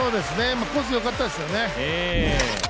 コース、よかったですよね